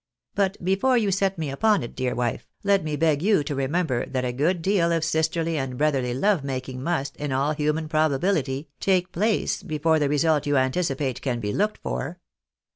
But before you set me upon it, dear vnfe, let me beg you to remember that a good deal of sisterly and brotherly love making must, in all human probability, take place before the result you anticipate can be looked for.